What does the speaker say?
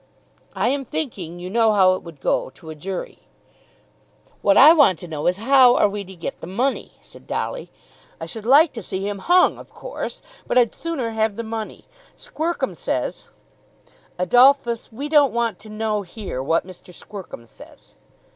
"I am thinking you know how it would go to a jury." "What I want to know is how we are to get the money," said Dolly. "I should like to see him hung, of course; but I'd sooner have the money. Squercum says " "Adolphus, we don't want to know here what Mr. Squercum says."